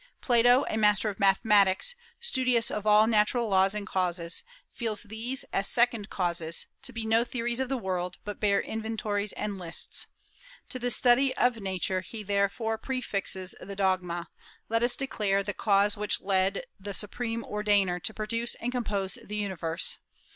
Plato, a master of mathematics, studious of all natural laws and causes, feels these, as second causes, to be no theories of the world, but bare inventories and lists. To the study of Nature he therefore prefixes the dogma, 'Let us declare the cause which led the Supreme Ordainer to produce and compose the universe.